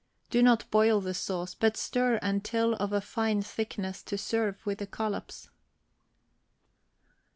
Do not boil the sauce, but stir until of a fine thickness to serve with the collops.